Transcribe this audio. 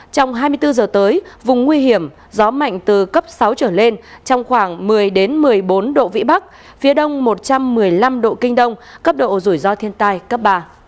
trong hai mươi bốn giờ tới vùng nguy hiểm gió mạnh từ cấp sáu trở lên trong khoảng một mươi một mươi bốn độ vĩ bắc phía đông một trăm một mươi năm độ kinh đông cấp độ rủi ro thiên tai cấp ba